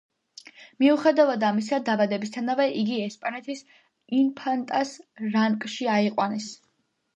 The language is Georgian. მიუხედავად ამისა, დაბადებისთანავე, იგი ესპანეთის ინფანტას რანკში აიყვანეს.